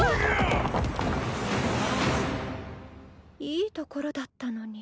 いいところだったのに。